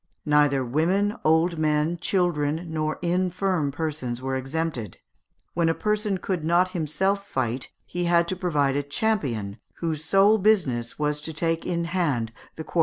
Neither women, old men, children, nor infirm persons were exempted. When a person could not himself fight he had to provide a champion, whose sole business was to take in hand the quarrels of others.